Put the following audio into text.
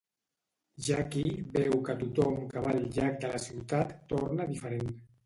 Jackie veu que tothom que va al llac de la ciutat torna diferent.